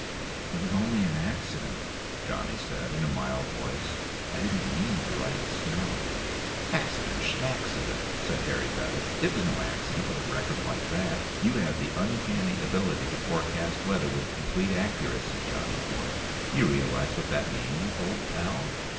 "It was only an accident," Johnny said in a mild voice. "I didn't mean to write snow." "Accident, smaccident," said Harry Bettis. "It was no accident with a record like that. You have the uncanny ability to forecast weather with complete accuracy, Johnny boy. You realize what that means, old pal?"